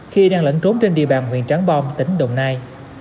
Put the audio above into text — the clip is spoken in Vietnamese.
khi đang lẩn trốn trên địa bàn huyện tráng bom tỉnh đồng nai